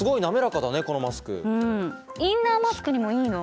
インナーマスクにもいいの。